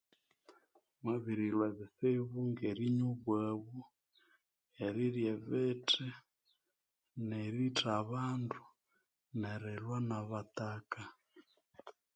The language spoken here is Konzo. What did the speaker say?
Mwabirilhwa ebitsibu ngerinywa obwabu, Erirya ebithi, neritha abandu, nerilhwa nabataka.